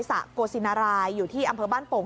สะโกศินารายอยู่ที่อำเภอบ้านโป่ง